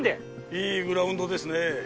いいグラウンドですね